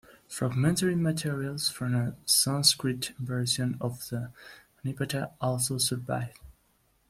Fragmentary materials from a Sanskrit version of the Nipata also survive.